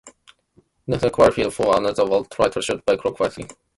Nardiello qualified for another world title shot by knocking out Norberto Bueno in Italy.